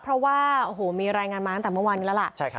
เพราะว่าโอ้โหมีรายงานมาตั้งแต่เมื่อวานนี้แล้วล่ะ